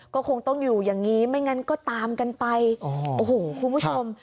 ก็คงต้องอยู่อย่างนี้ไม่งั้นก็ตามกันไปโอ้โหคุณผู้ชม